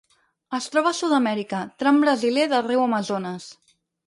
Es troba a Sud-amèrica: tram brasiler del riu Amazones.